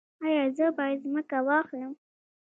ایا زه باید ځمکه واخلم؟